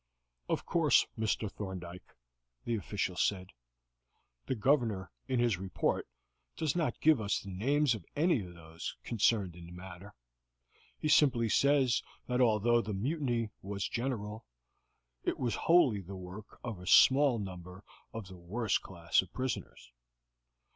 "Of course, Mr. Thorndyke," the official said, "the Governor in his report does not gives us the names of any of those concerned in the matter; he simply says that although the mutiny was general, it was wholly the work of a small number of the worse class of prisoners.